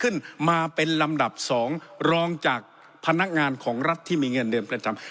ขึ้นมาเป็นลำดับสองรองจากพนักงานของรัฐที่มีเงินเดือนประจำ